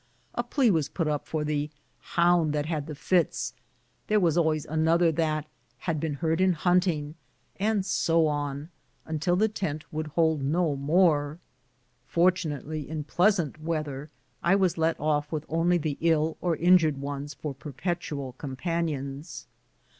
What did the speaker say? A plea was put up for "the hound that had flts;" there was always another that "had been hurt in hunting;" and so on until the tent would hold no more. Fortunately, in pleasant weather, I was let off with only the ill or injured ones for perpetual companions.